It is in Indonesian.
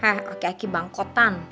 hei aki aki bangkotan